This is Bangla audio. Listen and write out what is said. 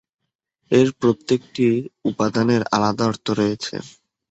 এর প্রত্যেকটি উপাদানের আলাদা অর্থ রয়েছে।